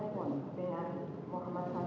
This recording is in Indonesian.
ingin yang dia untuk memperkenalkan